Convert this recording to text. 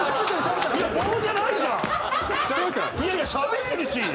いやいやしゃべってるし！